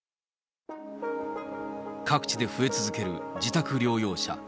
各地で増え続ける自宅療養者。